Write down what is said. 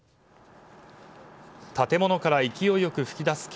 建物から勢いよく噴き出す煙。